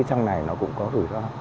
cái trong này nó cũng có rủi ro